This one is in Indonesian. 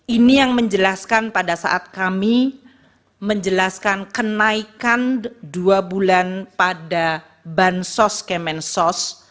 ini yang menjelaskan pada saat kami menjelaskan kenaikan dua bulan pada bansos kemensos